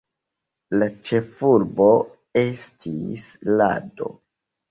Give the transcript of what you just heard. La ĉefurbo estis Lado.